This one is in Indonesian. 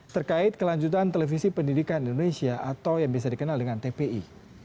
terkait kelanjutan televisi pendidikan indonesia atau yang bisa dikenal dengan tpi